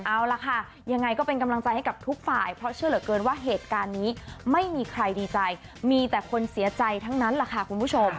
เอาล่ะค่ะยังไงก็เป็นกำลังใจให้กับทุกฝ่ายเพราะเชื่อเหลือเกินว่าเหตุการณ์นี้ไม่มีใครดีใจมีแต่คนเสียใจทั้งนั้นแหละค่ะคุณผู้ชม